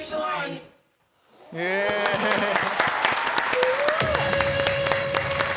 すごい！